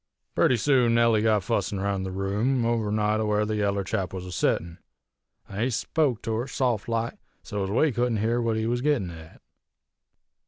"Purty soon Nellie got fussin' roun' the room, over nigh to where the yaller chap was a settin', an' he spoke to her, saft like, so ez we couldn't hear what he was a gittin' at.